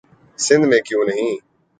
سندھ میں کیوں نہیں؟